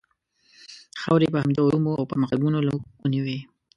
خاورې یې په همدې علومو او پرمختګونو له موږ ونیوې.